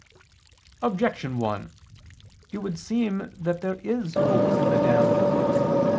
Objection 1: It would seem that there is hope in the damned.